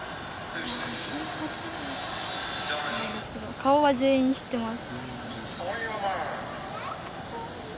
顔は全員知ってます。